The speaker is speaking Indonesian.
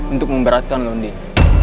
untuk memberatkan lo din